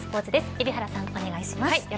海老原さん、お願いします。